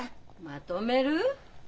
まとめる？